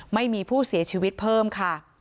ไม่มีผู้เสียชีวิตเพิ่มค่ะ